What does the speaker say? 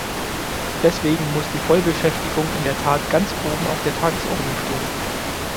Deswegen muss die Vollbeschäftigung in der Tat ganz oben auf der Tagesordnung stehen.